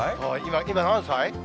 今、何歳？